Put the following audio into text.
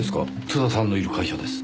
津田さんのいる会社です。